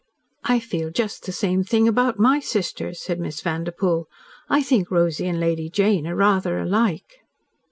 "I feel just the same thing about my sister," said Miss Vanderpoel. "I think Rosy and Lady Jane are rather alike."